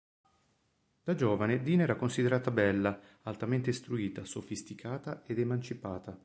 Da giovane, Dina era considerata bella, altamente istruita, sofisticata ed emancipata.